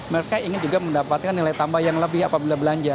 mereka ingin juga mendapatkan nilai tambah yang lebih apabila belanja